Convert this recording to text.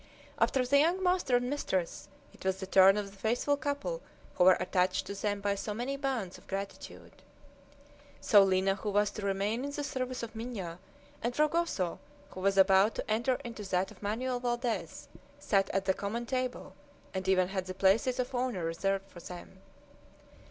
After the young master and mistress, it was the turn of the faithful couple who were attached to them by so many bonds of gratitude. So Lina, who was to remain in the service of Minha, and Fragoso, who was about to enter into that of Manoel Valdez, sat at the common table, and even had the places of honor reserved for them.